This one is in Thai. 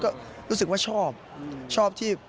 ก็รู้สึกว่าชอบชอบที่